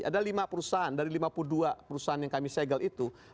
ada lima perusahaan dari lima puluh dua perusahaan yang kami segel itu